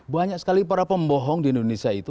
banyak sekali para pembohong di indonesia itu